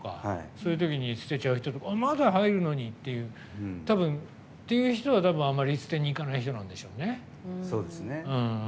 そういう時に捨てちゃう人にまだ入るのに！っていう人は、多分あんまり捨てに行かない人なんでしょうね。